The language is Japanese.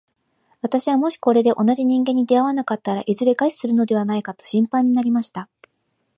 私はもしこれで同じ人間に出会わなかったら、いずれ餓死するのではないかと心配になりました。